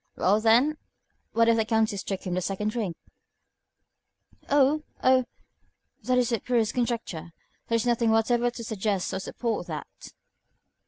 "Well, then, what if the Countess took him the second drink?" "Oh! oh! That is the purest conjecture. There is nothing whatever to suggest or support that."